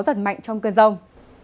giật mạnh trong cơn rông